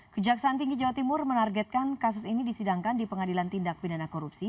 kejaksaan tinggi jawa timur menargetkan kasus ini disidangkan di pengadilan tindak pidana korupsi